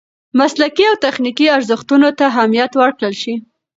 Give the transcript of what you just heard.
مسلکي او تخنیکي ارزښتونو ته اهمیت ورکړل شي.